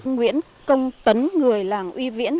nguyễn công tấn người làng uy viễn